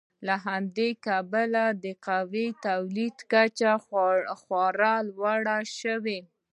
له همدې کبله د قهوې د تولید کچه خورا لوړه شوه.